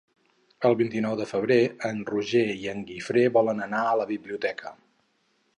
El vint-i-nou de febrer en Roger i en Guifré volen anar a la biblioteca.